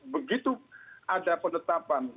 begitu ada penetapan